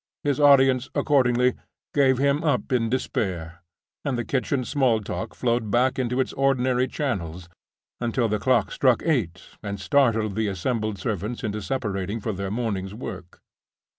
His audience, accordingly, gave him up in despair; and the kitchen small talk flowed back into its ordinary channels, until the clock struck eight and startled the assembled servants into separating for their morning's work.